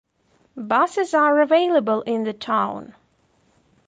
Buses are available in the town.